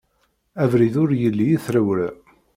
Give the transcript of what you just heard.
Abrid ur yelli i trewla.